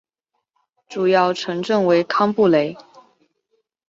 主要城镇为康布雷。